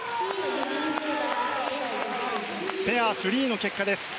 ペアフリーの結果です。